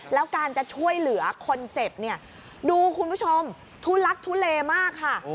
แล้วการจะช่วยเหลือคนเจ็บเนี่ยดูคุณผู้ชมทุลักทุเลมากค่ะ